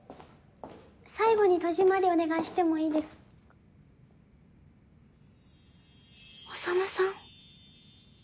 最後に戸締まりお願いしてもいいです宰さん？